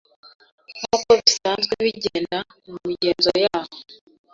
nk’uko bisanzwe bigenda mu migenzo yaho